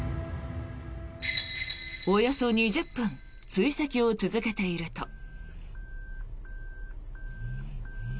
およそ２０分追跡を続けていると。